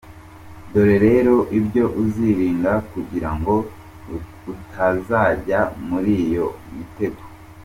Dore rero ibyo uzirinda kugira ngo utazajya muri iyo mitego :.